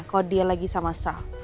kalau dia lagi sama sal